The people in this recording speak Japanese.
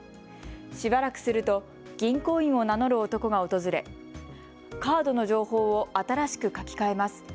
しばらくすると銀行員を名乗る男が訪れカードの情報を新しく書き換えます。